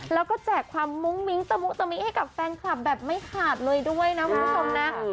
แล้วก็แจกความมุ้งมิ้งตมุ้งตมิ้งให้แฟนคลับแบบไม่ขาดเลยด้วยนะครับ